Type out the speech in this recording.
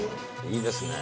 いいですね。